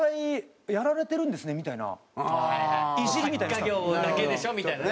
「作家業だけでしょ」みたいなね。